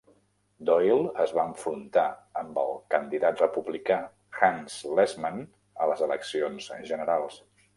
Doyle es va enfrontar amb el candidat republicà Hans Lessmann a les eleccions generals.